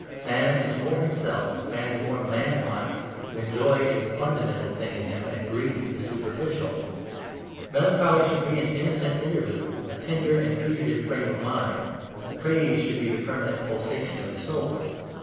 Man is more himself, man is more manlike, when joy is the fundamental thing in him, and grief the superficial. Melancholy should be an innocent interlude, a tender and fugitive frame of mind; praise should be the permanent pulsation of the soul.